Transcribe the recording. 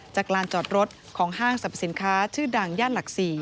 ลานจอดรถของห้างสรรพสินค้าชื่อดังย่านหลัก๔